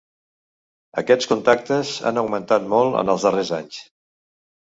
Aquests contactes han augmentat molt en els darrers anys.